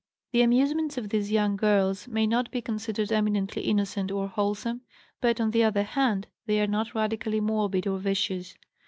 The amusements of these young girls may not be considered eminently innocent or wholesome, but, on the other hand, they are not radically morbid or vicious.